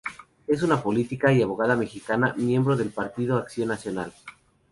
Es una política y abogada mexicana, miembro del Partido Acción Nacional.